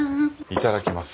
いただきます。